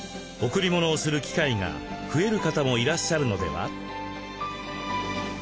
贈り物をする機会が増える方もいらっしゃるのでは？